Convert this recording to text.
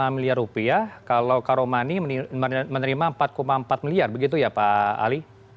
lima miliar rupiah kalau karomani menerima empat empat miliar begitu ya pak ali